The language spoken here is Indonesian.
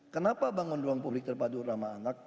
kenapa bangun ruang publik terpadu ramah anak